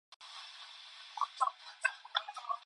정기회의 회기는 백일을, 임시회의 회기는 삼십일을 초과할 수 없다.